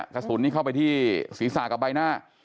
กระสุนนี้เข้าไปที่ศีรษะกับใบหน้า